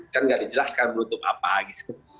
kan nggak dijelaskan menutup apa gitu